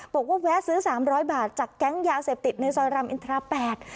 บอกว่าแวะซื้อ๓๐๐บาทจากแก๊งยาเสพติดในซอยรำอินทราบ๘